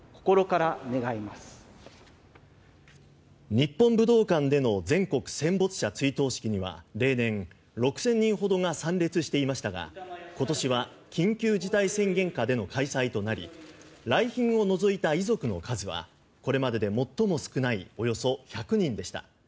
日本武道館での全国戦没者追悼式には例年、６０００人ほどが参列していましたが今年は緊急事態宣言下での開催となり来賓を除いた遺族の数はこれまでで最も少ないおよそ１００人でした。